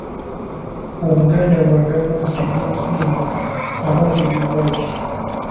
Omuganda bw'agamba nti “Gusinze”, aba ategeeza ki?